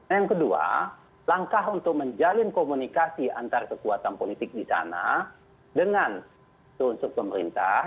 yang kedua langkah untuk menjalin komunikasi antar kekuatan politik di sana dengan unsur pemerintah